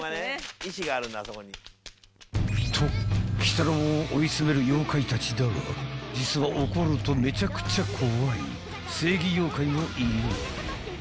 ［と鬼太郎を追い詰める妖怪たちだが実は怒るとめちゃくちゃ怖い正義妖怪もいる］